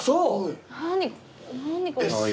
何何これ。